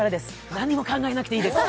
何も考えなくていいです。